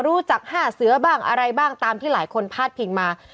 รู้จัก๕เสือบ้างอะไรบ้างตามที่หลายคนพาดพิงมา